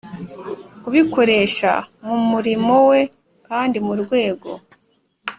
kubikoresha mu murimo we kandi mu rwego